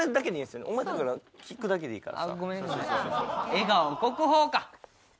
笑顔国宝か！